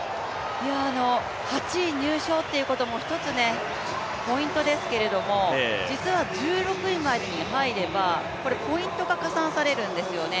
８位入賞っていうことも一つポイントですけれども実は１６位までに入ればポイントが加算されるんですよね。